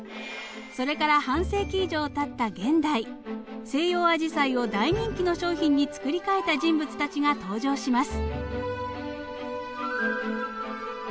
それから半世紀以上たった現代西洋アジサイを大人気の商品につくり替えた人物たちが登場します。